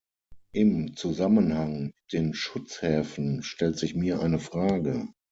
Im Zusammenhang mit den Schutzhäfen stellt sich mir eine Frage.